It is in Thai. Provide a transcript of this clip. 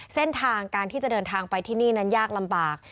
เส้นทางการที่จะเดินทางไปที่นี่นั้นยากลำบาก